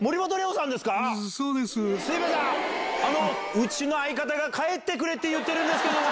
うちの相方が帰ってくれって言ってるんですけども。